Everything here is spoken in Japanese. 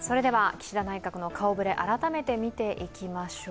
岸田内閣の顔ぶれ、改めて見ていきましょう。